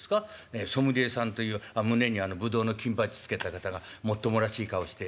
ソムリエさんという胸にぶどうの金バッジつけた方がもっともらしい顔して。